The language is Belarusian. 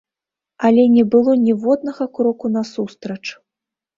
Але не было ніводнага кроку насустрач!